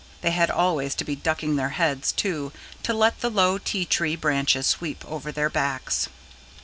They had always to be ducking their heads, too, to let the low ti tree branches sweep over their backs.